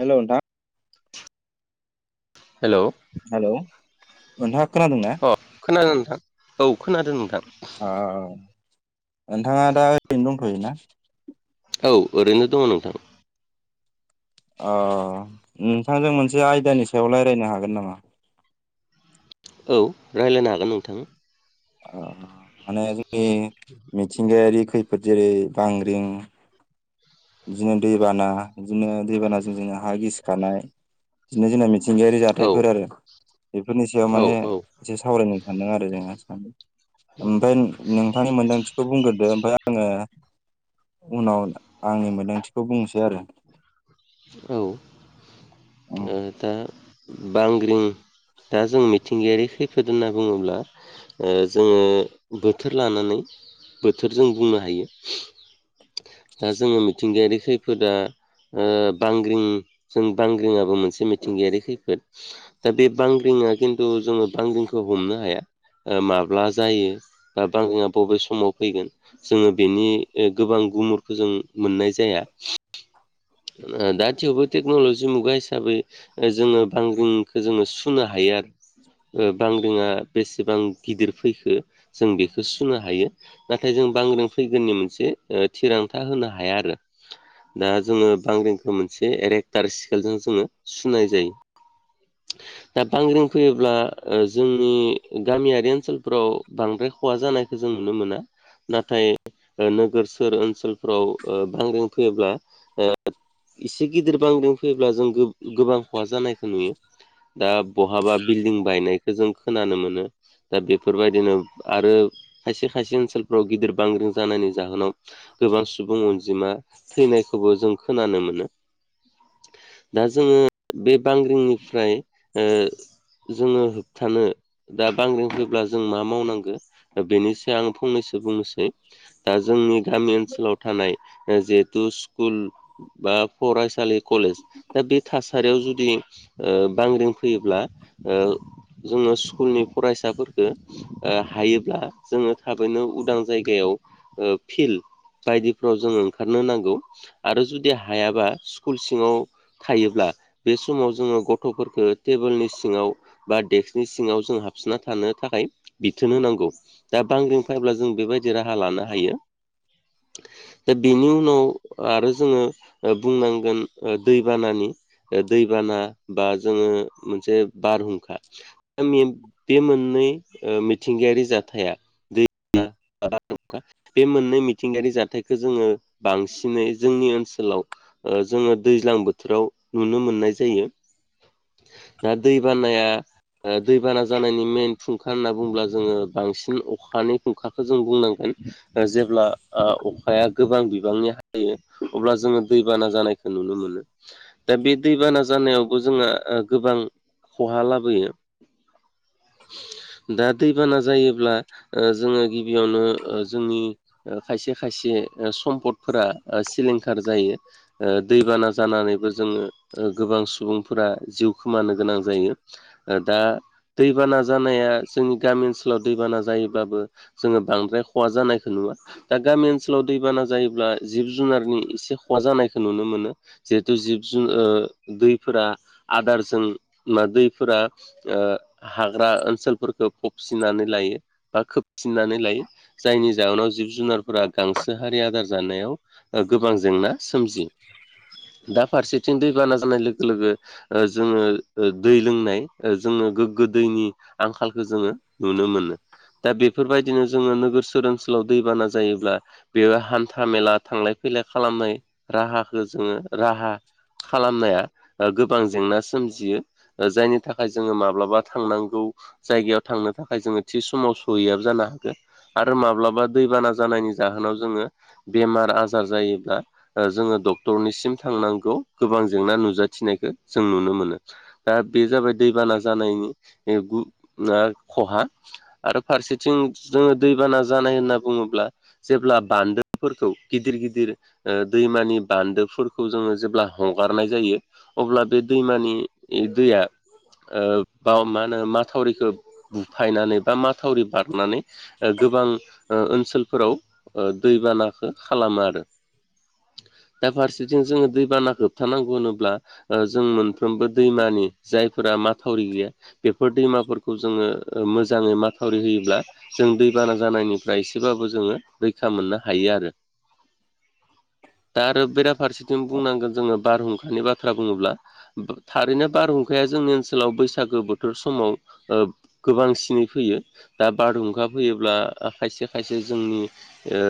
Hello नोंथां [inaudible] hello hello नोंथां अ खोनादों नोंथां औ खोनादों नोंथां। औ नोंथाङा दा ओरैनो दंथ'यो ना? औ ओरैनो दङ नोंथां। अ नोंथांजों मोनसे आयदानि सायाव रायलायनो हागोन नामा? औ रायलायनो हागोन नोंथां। ओ माने जोंनि मिथिंगायारि खै फोद जेरै बांग्रिं बिदिनो दैबाना, बिदिनो दैबानाजों जोङो हा गिसिखानाय बिदिनो मि थिंगायारि औ जाथायफोर आरो बेफोरनि सायाव औ माने एसे सावरायनो सानदों आरो जोङो ओमफ्राय नोंथांनि मोनदांथिखौ बुंग्रोदो ओमफ्राय आङो उनाव आंनि मोन्दांथिखौ बुंनोसै आरो। औ [inaudible] ओ दा बांग्रिं दा जों मिथिंगायारि खैफोद होनना बुङोब्ला ओ जोङो बोथोर लानानै बोथोर जों बुंनो हायो। दा जोङो मिथिंगायारि खैफोदा ओ बांग्रिं जों बांग्रिङाबो मोनसे मिथिंगायारि खैफोद दा बे बांग्रिङा खिन्थु जोङो बांग्रिखौ हमनो हाया। ओ माब्ला जायो बा बांग्रिआ बबे समाव फैगोन जोङो बेनि गोबां गुमुरखौ जों मोननाय जाया। औ ओ दा थेवबो टेक्न'लजि मुगा हिसाबै जोङो बांग्रिंखौ जोङो सुनो हायो। आरो ओ बांग्रिङा बेसेबां गिदिर फैखो जों बेखौ सुनो हायो नाथाय जों बांग्रि फैगोननि मोनसे थिरांथा होनो हाया आरो दा जोङो बांग्रिंखौ मोनसे एरेक्टार सिकेलजों जोङो सुनाय जायो। दा बांग्रिं फैयोब्ला जोंनि गामियारि ओनसोलफोराव बांद्राय खहा जानायखौ जों नुनो मोना। नाथाय नोगोर ओनसोलफोराव बांग्रि फैयोब्ला एसे गिदिर बांग्रि फैब्ला जों गो-गोबां खहा जानायखौ नुयो। दा बहाबा बिल्डिं बायनायखो जों खोनानो मोनो। दा बेफोरबायदिनो आरो खायसे खायसे ओनसोलफ्राव गिदिर बांग्रिं जानायनि जाहोनाव गोबां सुबुं अनजिमा थैनायखौबो जों खोनानो मोनो। दा जोङो बे बांग्रिंनिफ्राय ओ जोङो होबथानो दा बांग्रिं फैयबा जों मा मावनांगो दा बेनि सायाव आं फंनैसो। नोसै दा जोंनि गामि ओनसोलाव थानाय जिहेथु स्कुल बा फरायसालि कलेज दा बे थासारियाव जुदि बांग्रिं फैयोब्ला। ओ-जोङो स्कुलनि फरायसाफोरफोरखौ ओ-हायोब्ला जोङो थाबैनो। उदां जायगायाव ओ-फिल बायदिफ्राव जों ओंखारनो नांगौ। बिदि हायाबा स्कुल सिङाव। थायोब्ला बे समाव जोङो गथफोरखौ टेबोलनि सिङाव बा डेकसनि सिङाव जों हाबसोना। ना थानो थाखाय बिथोन होनांगौ दा बांग्रिं फैयब्ला जों बेबायदि राहा लानो हायो। दा बेनि उनाव आरो जोङो ओ बुंनांगोन ओ दैबानानि ओ दैबाना बा जोङो मोनसे बारहुंखा बे मोननै ओ मिथिंगायारि जाथाया [unintelligible] [unintelligible] बे मोननै मिथिंगायारि जाथायखौ जोङो बांसिनै जोंनि ओन लाव ओ जोङो दैज्लां बोथोराव नुनो मोननाय जायो। दा दै बानाया ओ दैबाना जानायनि मेन फुंखा होनना बुंब्ला जोङो बांसिन अखानि फुंखाखौ जों बुंनांगोन। जेब्ला आ अखाया गोबां बिबांनि हायो। अब्ला जोङो दैबाना जानायखौ नुनो मोनो दा बे दैबाना जानायावबो जोंहा गोबां खहा लाबोयो। [inaudible] दा दैबाना जायोब्ला ओ-जोङो गिबियावनो ओ-जोंनि ओ खायसे खायसे ए ओ समपदफोरा ओ सिलिं खार जायो ओ दैबाना जानानैबो जोङो ओ गोबां सुबुंफोरा जिउ खोमानो गोनां नांजायो ओ-दा दैबाना जानाया जोंनि गामि ओनसोलाव दैबाना जायोब्लाबो जोङो बांद्राय खहा जानायखौ नुवा दा गामि ओनसोलाव दैबाना जायोब्ला जिब जुनारनि एसे खहा जानायखौ नुनो मोनो जिहेतु जिब जु ओ-दैफोरा आदारजों मा दैफोरा ओ-हाग्रा ओनसोलफोरखौ फबसिननानै लायो बा खोब सिननानै लायो जायनि जाहोनाव जिब जुनारफोरा गांसो हारि आदार जानायाव ओ गोब गोबां जेंना सोमजियो। दा फारसेथिं दैबाना जानाय लोगो लोगो ओ जोङो ओ-दै लोंनाय ओ जोङ नो गोग्गो दैनि आंखालखौ जोङो नुनो मोनो दा बे बेफोरबायदिनो जोङो नोगोरसोर ओनसोलाव दैबाना जायोब्ला बेयो हान्था मेला थांलाय फैलाय खालामनाय राहाखौ जोङो राहा खालामनाया ओ-गोबां जेंना सोमजियो। ओ जायनि थाखाय जोङो माब्लाबा थांनांगौ। जायगायाव थांनो थाखाय जोङो थि समाव सहैयाबो जानो हागौ आरो माब्लाबा दैबाना जानायनि जाहोनाव जोङो बेमार आज जार जायोब्ला ओ-जोङो डक्टरनिसिम थांनांगौ गोबां जेंना नुजाथिनायखौ जों नुनो मोनो दा बे जाबाय दैबाना जानायनि बे गु ना खहा आरो फारसेथिं जोङो दैबाना जानाय होनना बुङोब्ला जेब्ला बान्दोफोरखौ गिदिर गिदिर ओ-दैमानि बान्दोबफोरखौ जोङो जेब्ला हगारनाय जायो अब्ला बे दैमानि ए दैया ओ-बाव मा होनो माथावरिखौ बुफायनानै बा माथावरि बारनानै ओ गोबां ओ-ओनसोलफोराव ओ दैबानाखौ खालामो आरो। दा फारसेथिं जोङो दैबाना होबथानांगौ होनोब्ला ओ-जों मोन फ्रोमबो दैमानि जायफोरा माथावरि गैया बेफोर दैमाफोरखौ जोङो मोजाङै माथावरि होयोब्ला जों जों दैबाना जानायनिफ्राय एसेबाबो जोङो रैखा मोननो हायो आरो। दा आरो बेराफारसेथिं बुंनांगोन जोङो बारहुंखानि बाथ्रा बुङोब्ला थारैनो बारहुंखाया जोंनि ओनसोलाव बैसागो बोथोर समाव ओ गोबांसिनै फैयो दा बारहुंखा फैयोब्ला खायसे खायसे जोंनि ओ।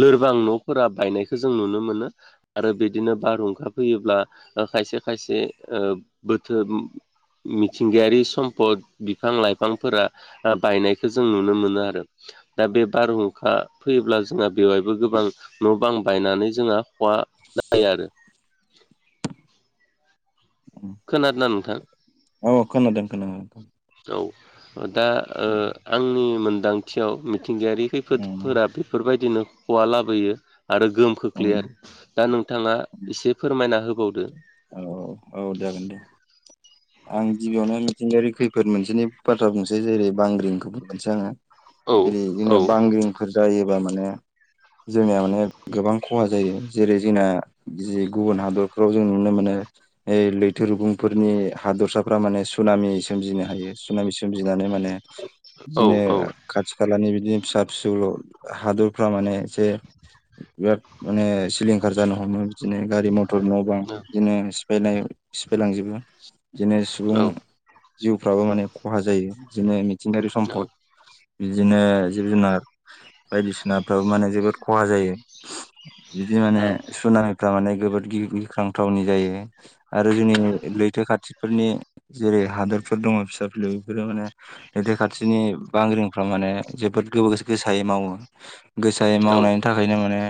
लोरबां न'फोरा बायनायखौ जों नुनो मोनो आरो बेदिनो बारहुंखा फैयोब्ला ओ खाय से खायसे ओ बोथोर मिथिंगायारि सम्पद बिफां लायफांफोरा ओ बायनायखौ जों नुनो मोनो आरो। दा बे बारहुंखा फैयोब्ला जोंहा बेवहायबो गोबां न' बां बायनानै जोंहा खहा जायो आरो। खोनादोंनाा नोंथां औ खोनादों खोनादोंोनादों औ दा आंनि मोनदांथियाव मिथिंगायारि उम खैफोदफोरा बेफोरबायदिनो हवा लाबोयो आरो गोहोम खोख्लै उम आरो दा नोंथाङा एसे फोरमायना हो औ औ औ जागोन दे आं गिबियावनो मिथिंगायारि खैफोद मोनसेनि बाथ्रा बुंसै जेरै बांग्रिंखौ बुंबसै आङो औ रै बिदिनो बांग्रिंफोर जायोबा माने जोंनिया माने गोबां खहा जायो जेरै जोंना जि गुबुन हादरफ्राव जों नुनो मोनो लैथो रुुंफोरनि हादरसाफ्रा माने सुनामि सोमजिनो हायो सुनामि सोमजिनानै माने बिदिनो खाथि खालानि बिदिनो बिदिनो फिसा फिसौल' हादरफ्रा माने एसे बिराद माने सिलिंखार जानो हमो बिदिनो गारि मथर न' बां बिदिनो सिफायनाय फैलांजोबो बिदिनो सुबुं जिउफ्राबो माने खहा जायो बिदिनो मिथिंगायारि सम्पद बिदिनो जिब जुनार बायदिसिनाफ्राबो माने जोबोद खहा जायो बिदि माने सुनाामिफ माने जबोदि गिख्रांथावनि जायो आरो जोंनि लैथो खाथिफोरनि जेरै हादोरफोर दङ फिसा फिलौ बेफोरो माने रैद खाथिनि बांग्रिंफ्रा माने जोबोद गोब गोसो गोसायै मावो गोसायै मावनायनि थाखायनो माने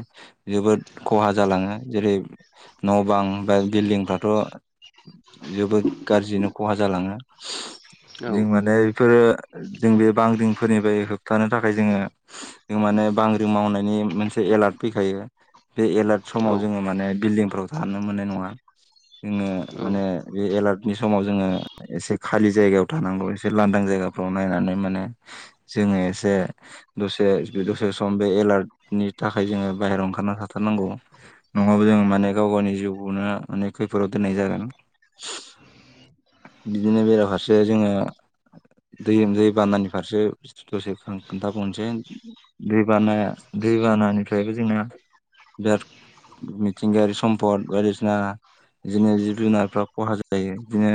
जोबोद खहा जालाङो जेरै न' बां बा बिल्डिंफ्राथ' जोबोद गाज्रिनो खहा जालाङो जों माने बेफोरो जों बे बांग्रिंफोरनिफ्राय थानो थाखाय जोङो माने बांग्रिं मावनायनि मोनसे एलार्ट फैखायो बे एलार्ट समाव जोङो माने बिल्डिंफोराव थानो मोननाय नङा जोङो माने बे एलार्ट नि समाव जोङो एसे खालि जायगायाव थानांगौ एसे लांदां जायगाफ्राव नायनानै माने जोङो एसे दसे दसे सम बे एलार्टनि थाखाय जोङो बायेरायाव ओंखारना थ रनांगौ नङाबो जों माने गाव गावनि जिउखौनो माने खैफोदाव दोननाय जागोन बिदिनो बेराफारसे जोङो दै दै बानानि फारसे दसे खोन्थाबावनोसै दै बाना दैबानानिफ्रायबो जोंना बिराद मिथिंगायारि सम्फद बायदिसिना बिदिनो जिब जुनारफ्रा खहा जायो बिदिनो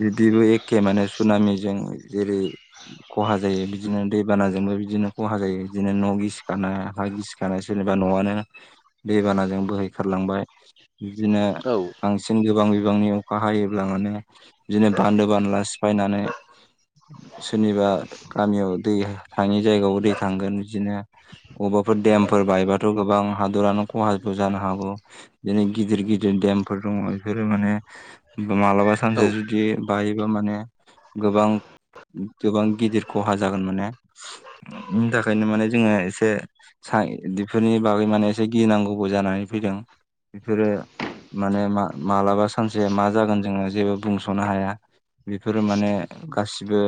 बिदिबो एखे माने सुनामिजों जेरै खहा जायो बिदिनो दैबानाजोंबो बि बिदिनो खहा जायो बिदिनो न' गिसिखानाय हा गिसिखानाय सोरनिबा न'आनो दैबानाजों बोहै लांबाय बिदिनो बांसिन गो गोबां बिबांनि अखा हायोब्ला माने बिदिनो बान्दो बानला सिफायनानै सोरनिबा गामियाव दै थाङि जायगायावबो दै थांगोन बिदिनो अबेबा बबेबाफोर देमफोर बायबाथ' गोबां हादरानो खहबो जानो हागौ बिै गिदिर गिदिर देमफोर दङ बेफोरो माने मालाबा सानसे औ जुदि बायोबा माने गोबां गोबां गिदिर खहा जागोन माने बिनि थाखायनो माने जोङो एसे बेफोरनि बागै माने एसे गिनांगौबो जानानै फैदों बेफोरो माने मालाबा सानसेया मा जागोन जोङो जेबो बुंस'नो हाया। बेफोरो माने गासिबो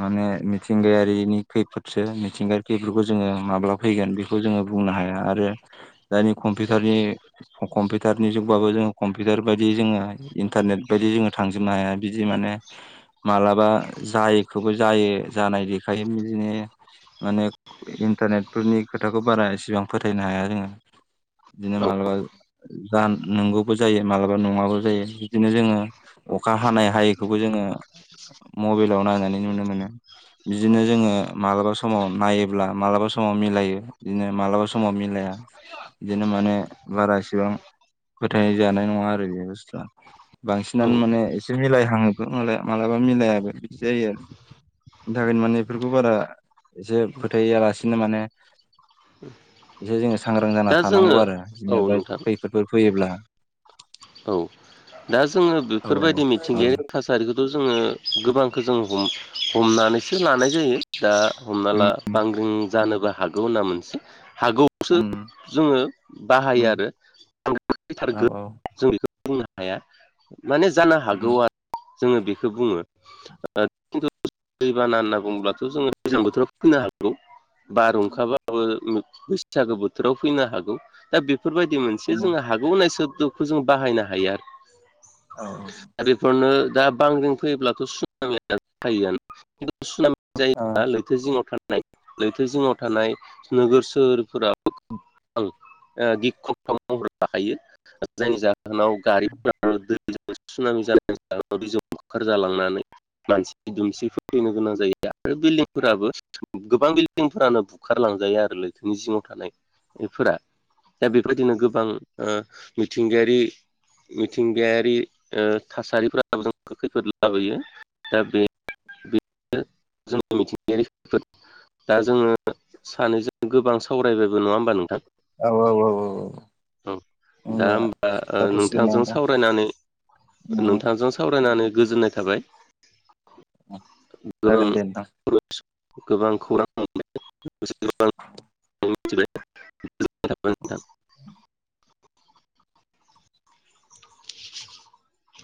माने मिथिंगायारिनि खैफोदसो मिथिंगायारि खैफोदफोरखौ जोङो माब्ला फैगोन बेखौ जोङो बुंनो हाया आरो दनि कम्पिउटारनि कम्पिउटारनि जुगबाबो जों कम्पिउटार बायदि जोङो इन्टारनेट बायदि जोङो थांजोबनो हाया बिदि माने मालाबा जायखौबो जायो जानाय देखायो बिदिनो माने इन्टारनेटफोरनि खोथाखौ बारा एसेबां फोथायनो हाया जोङो। बिदिनो मालाबा जान नोंगौ जायो मालाबा नङाबो जायो बिदिनो जोङो अखा हानाय हायैखौबो जोङो मबाइलाव नायनानै नुनो मोनो बिदिनो जोङो मालाबा समाव नायोब्ला मालाबा समाव समाव मिलायो बिदिनो मालाबा समाव मिलाया बिदिनो माने बारा इसेबां फोथाय जानाय नङा आरो बे बुस्थुआ औ बांसिनानो माने एसे मिलायहाङोबो मालाबा मिलायाबो बिदि जायो आरो दार माने बेफोरखौ बारा एसे फोथायालासिनो माने एसे जोङो सांग्रां जाना दा थानांगौ जोङो आरो औ जेनेबा नोंथां खैफोदफोर फैयोब्ला औ दा जोङो औ बेफोरबायदि औ मिथिंगायारि थासारिखौथ' जोङो गोबां खौ जों हमनानैसो लानाय जायो दा हमना ला उम बांग्रिं जानोबो हागौ होनना मोनसे हागौआवसो उम जोङो बाहायो उम आरो औ औ जों बेखौ बुंनो हाया माने जानो हागौ उम आरो जोङो बेखौ बुङो। दैबाना होनना बुंब्लाथ' जोङो दैजां बोथोराव फैनो हागौ बारहुंखाबाबो बैसागो बोथोराव फैनो हागौ दा बे फोरबायदि औ मोनसे जोङो हागौ होननाय सोदोबखौ जों बाहायनो हायो आरो औ आरो बेफोरनो दा बांग्रिं फैयोब्लाथ' सुनामि जायो खिन्थु सुनामि जायोब्ला औ लैथो जिङाव था नाय लैथो जिङाव थानाय नोगोर सोहोरफोराव आं गिख्रंथाव महर हायो जायनि जाहोनाव गारिफोर सुनामि जानायनि जाहोनाव बुखार जालांनानै मानसि दुमसिफोर फैनो गोनां जायो। आरो बिल्डंफोराबो गोबां बिल्डिंफोरानो बुखारलांजायो आरो लैथोनि जिङाव थानाय बेफोरा दा बेफोरदिनो गोबां मिथिंगायारि मिथिंगायारि थासारिफोराबो जों खैफोद लाबोयो दा बे बे जों मिथिंगायारि दा जोङो सानैजों गोबां सावरायबायबो नङा होमबा नोंथां औ औ औ औ औ दा होमबा नोंथांजों सावराय उम, नोंथांजों सावरायनानै गोजोननाय थाबाय गोबां जागोन दे नोंथां गोबां खौरां [unintelligible] [unintelligible]